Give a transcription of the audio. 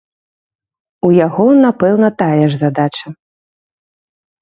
У яго, напэўна, тая ж задача.